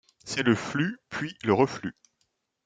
C’est le flux, puis le reflux.